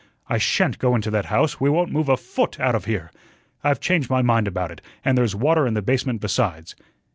I SHAN'T go into that house; we won't move a FOOT out of here. I've changed my mind about it, and there's water in the basement besides."